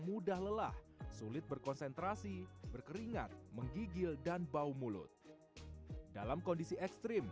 mudah lelah sulit berkonsentrasi berkeringat menggigil dan bau mulut dalam kondisi ekstrim